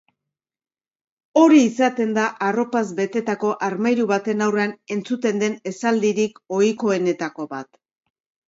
Hori izaten da arropaz betetako armairu baten aurrean entzuten den esaldirik ohikoenetako bat.